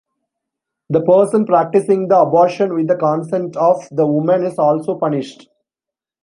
The person practicing the abortion with the consent of the woman is also punished.